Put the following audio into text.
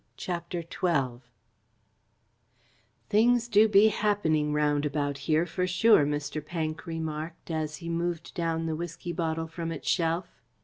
CHAPTER XII "Things do be happening round about here, for sure," Mr. Pank remarked, as he moved down the whisky bottle from its shelf.